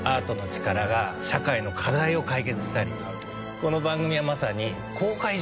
この番組はまさに。